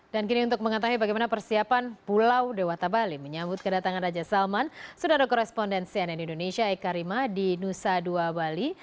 dan kini untuk mengetahui bagaimana persiapan pulau dewata bali menyambut kedatangan raja salman sudah ada korespondensi ann indonesia eka rima di nusa dua bali